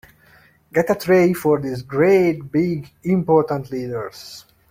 Get a tray for these great big important leaders.